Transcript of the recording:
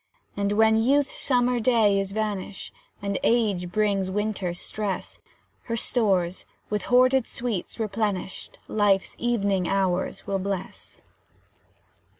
And when Youth's summer day is vanished, And Age brings Winter's stress, Her stores, with hoarded sweets replenished, Life's evening hours will bless.